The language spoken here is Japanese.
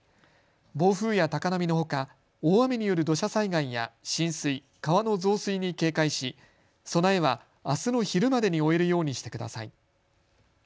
暴風や高波のほか大雨による土砂災害や浸水、川の増水に警戒し備えはあすの昼までに終えるようにしてください。